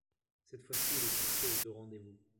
Cette fois-ci, le succès est au rendez-vous.